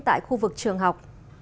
tại khu vực trường học